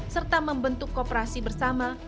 serta membentuk kooperasi bersama